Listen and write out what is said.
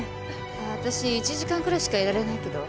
わたし１時間くらいしかいられないけど。